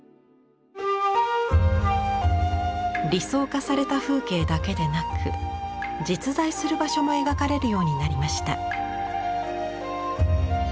理想化された風景だけでなく実在する場所も描かれるようになりました。